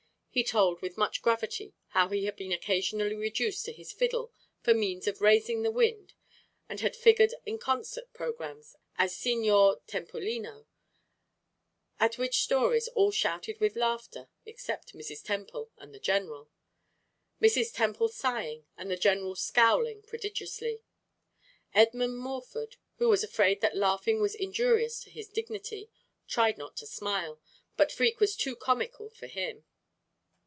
He told with much gravity how he had been occasionally reduced to his fiddle for means of raising the wind, and had figured in concert programmes as Signor Tempolino, at which stories all shouted with laughter except Mrs. Temple and the general Mrs. Temple sighing, and the general scowling prodigiously. Edmund Morford, who was afraid that laughing was injurious to his dignity, tried not to smile, but Freke was too comical for him.